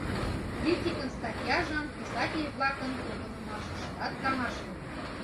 — Критикын статьяжым писатель-влакын погынымашыштат каҥашыме.